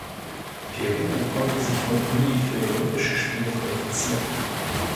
Peru konnte sich noch nie für Olympische Spiele qualifizieren.